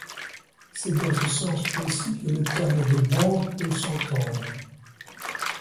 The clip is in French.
C'est dans ce sens précis que le terme de banque peut s'entendre.